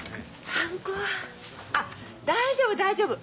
あっ大丈夫大丈夫！